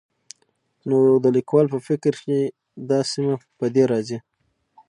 نو د ليکوال په فکر چې دا سيمه په دې ارځي